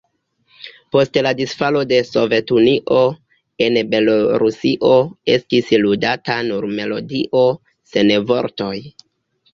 Post la disfalo de Sovetunio en Belorusio estis ludata nur melodio, sen vortoj.